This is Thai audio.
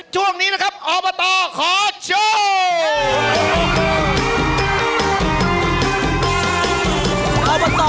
ช่วงนี้นะครับออกมาต่อขอโชว์